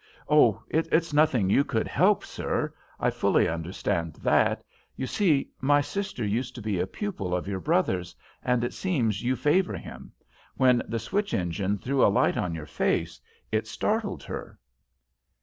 "Oh, it's nothing you could help, sir, I fully understand that. You see, my sister used to be a pupil of your brother's, and it seems you favour him; when the switch engine threw a light on your face, it startled her."